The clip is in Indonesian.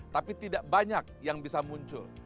tapi tidak banyak yang bisa muncul